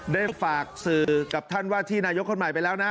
ได้ฝากสื่อกับท่านว่าที่นายกคนใหม่ไปแล้วนะ